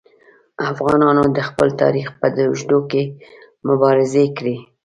افغانانو د خپل تاریخ په اوږدو کې مبارزې کړي.